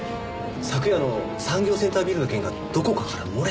昨夜の産業センタービルの件がどこかから漏れたようで。